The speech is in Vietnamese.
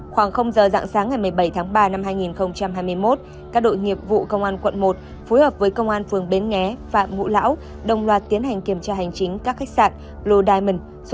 khoảng giờ dạng sáng ngày một mươi bảy tháng ba năm hai nghìn hai mươi một các đội nghiệp vụ công an quận một phối hợp với công an phường bến nghé phạm ngũ lão đồng loạt tiến hành kiểm tra hành chính các khách sạn blo diamond